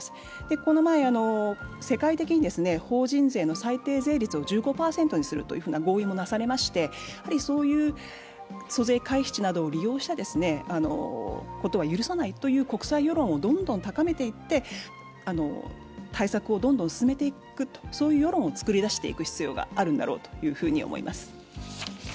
この前、世界的に法人税の最低税率を１５％にするという合意もなされまして、租税回避地などを利用することは許さないという国際世論をどんどん高めていって対策をどんどん進めていくという世論を作り出していく必要があるだろうと思います。